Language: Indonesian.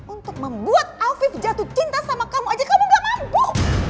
untuk membuat afif jatuh cinta sama kamu aja kamu gak mampu